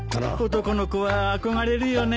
男の子は憧れるよね。